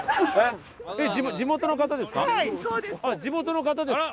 地元の方ですって。